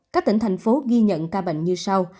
các tỉnh thành phố ghi nhận ca bệnh như sau